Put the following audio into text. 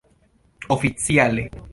oficiale